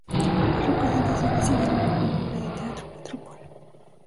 Las representaciones siguieron bajo el nombre de Teatro Metropol.